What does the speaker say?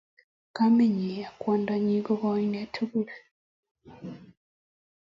Kamenyii ak kwandanii ko konetik tugul.